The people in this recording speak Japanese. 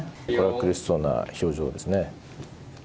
苦しそうな表情ですね。